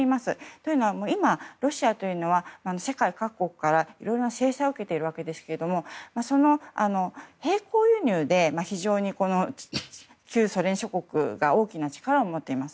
というのは、今ロシアというのは世界各国からいろいろ制裁を受けていますが並行輸入で非常に旧ソ連諸国が大きな力を持っています。